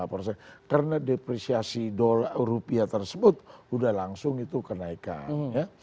dua lima persen karena depresiasi rupiah tersebut udah langsung itu kenaikan ya